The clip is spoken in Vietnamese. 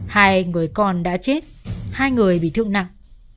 hai người con đã chết hai người bị thương nặng